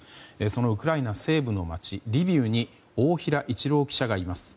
そのウクライナ西部の街リビウに大平一郎記者がいます。